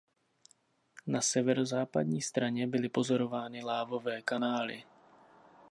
Na severozápadní straně byly pozorovány lávové kanály.